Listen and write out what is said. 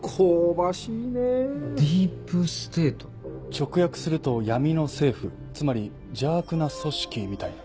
直訳すると「闇の政府」つまり「邪悪な組織」みたいな。